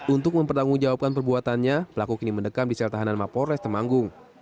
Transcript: untuk mempertanggungjawabkan perbuatannya pelaku kini mendekam di sel tahanan mapores temanggung